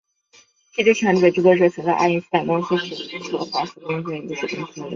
这些产品的制作者小小爱因斯坦公司是华特迪士尼公司的一个子公司。